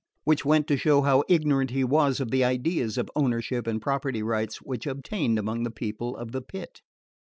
Which went to show how ignorant he was of the ideas of ownership and property rights which obtained among the People of the Pit.